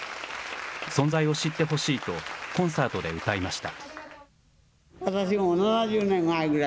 存在を知ってほしいと、コンサートで歌いました。